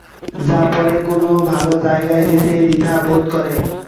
যা পরে কোনো ভালো জায়গায় যেতে দ্বিধা বোধ করেন।